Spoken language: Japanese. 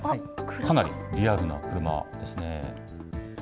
かなりリアルな車ですね。